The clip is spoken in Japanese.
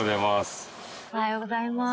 おはようございます。